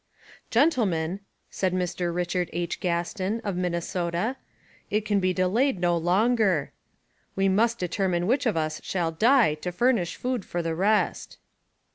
"Gentlemen," said Mr, Richard H. Gaston, of Min nesota, "it can be delayed no longer. We must deter mine which of us shall die to furnish food for the rest."